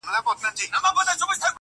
• خو ذهنونه زخمي پاتې وي ډېر,